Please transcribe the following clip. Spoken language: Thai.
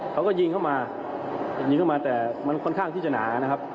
เขาก็ยิงเข้ามายิงเข้ามาแต่มันค่อนข้างที่จะหนานะครับ